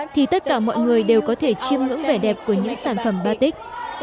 thì tất cả mọi người đều có thể chiêm ngưỡng vẻ đẹp của những sản phẩm batic